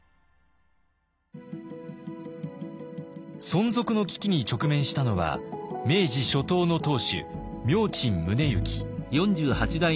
存続の危機に直面したのは明治初頭の当主明珍宗之。